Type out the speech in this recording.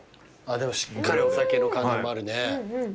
でもしっかりお酒の感じもあるね。